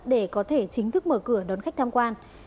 để có thể chính thức mở cửa đón khách tham quan